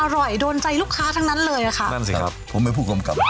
อร่อยโดนใจลูกค้าทั้งนั้นเลยอ่ะค่ะนั่นสิครับผมเป็นผู้กำกับ